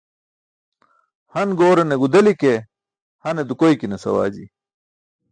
Han goorane gudeli ke, hanar dukoykinas awaji.